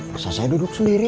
masa saya duduk sendiri